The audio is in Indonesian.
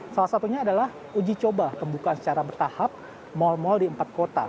salah satunya adalah uji coba pembukaan secara bertahap mal mal di empat kota